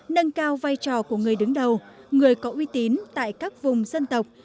nâng cao vai trò của người đứng đầu người có uy tín tại các vùng dân tộc